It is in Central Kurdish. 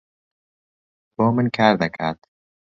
بۆ من کار دەکات.